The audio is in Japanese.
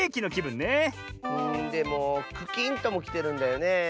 んでもクキンともきてるんだよねえ。